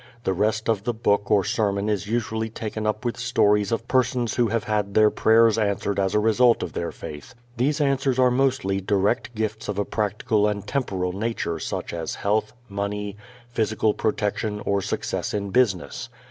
The rest of the book or sermon is usually taken up with stories of persons who have had their prayers answered as a result of their faith. These answers are mostly direct gifts of a practical and temporal nature such as health, money, physical protection or success in business.